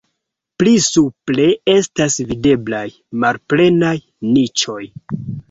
Pli supre estas videblaj malplenaj niĉoj.